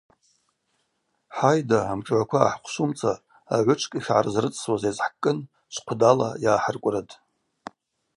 Хӏайда, амшӏгӏваква гӏахӏхъвшвумца агӏвычвкӏ йшгӏарызрыцӏсуаз йазхӏкӏкӏын чвхъвдала йгӏахӏыркӏврытӏ.